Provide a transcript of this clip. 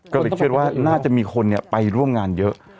ก็คิดว่าน่าจะมีคนเนี่ยไปร่วมงานเยอะ